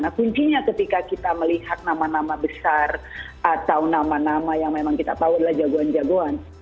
nah kuncinya ketika kita melihat nama nama besar atau nama nama yang memang kita tahu adalah jagoan jagoan